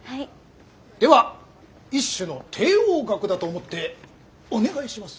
では一種の帝王学だと思ってお願いします